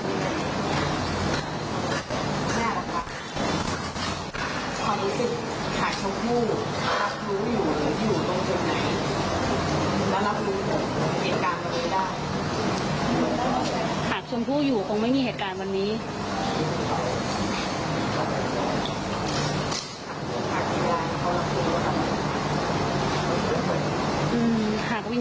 มีเหตุการณ์ใดด้วย